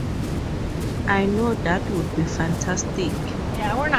I know that would be fantastic.